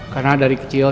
karena dari kecil